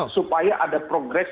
supaya ada progres